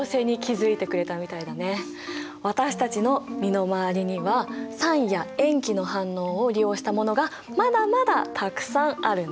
私たちの身の回りには酸や塩基の反応を利用したものがまだまだたくさんあるんだよ。